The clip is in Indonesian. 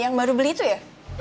yang baru beli itu ya